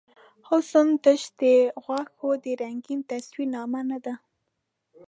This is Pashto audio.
حسن تش د غوښو د رنګین تصویر نامه نۀ ده.